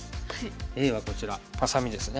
Ａはこちらハサミですね。